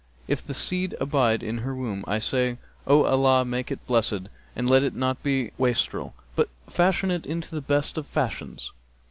If the seed abide in her womb I say, 'O Allah make it blessed and let it not be a wastrel, but fashion it into the best of fashions!'